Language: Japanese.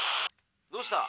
「どうした？